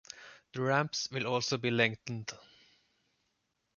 The ramps will also be lengthened.